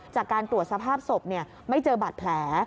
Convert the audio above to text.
จากการตรวจสภาพศพไม่เจอบาดแผล